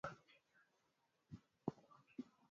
Hizi ni nyanda zenye rutuba sana zilizo karibu na Ngorongoro